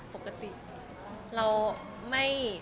แฟนคลับของคุณไม่ควรเราอะไรไง